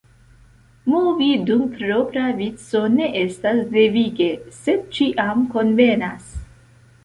Movi dum propra vico ne estas devige, sed ĉiam konvenas.